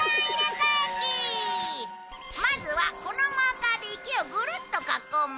まずはこのマーカーで池をぐるっと囲む。